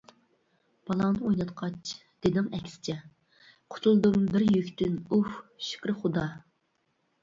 بالاڭنى ئويناتقاچ دېدىڭ ئەكسىچە: قۇتۇلدۇم بىر يۈكتىن ئۇھ. شۈكرى خۇدا!